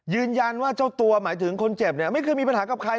ยืนยันว่าเจ้าตัวหมายถึงคนเจ็บไม่เคยมีปัญหากับใคร